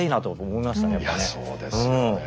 いやそうですよね。